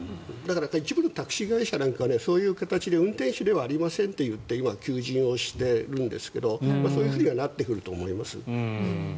一部のタクシー会社なんかはそういう形で運転手ではありませんといって今、求人してるんですがそういうふうにはなってくると思います。